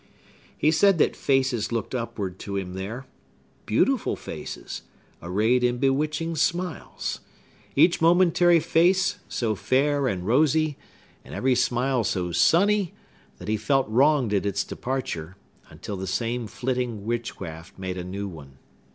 He said that faces looked upward to him there,—beautiful faces, arrayed in bewitching smiles,—each momentary face so fair and rosy, and every smile so sunny, that he felt wronged at its departure, until the same flitting witchcraft made a new one.